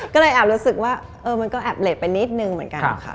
ก็เลยแอบรู้สึกว่ามันก็แอบเล็ตไปนิดนึงเหมือนกันค่ะ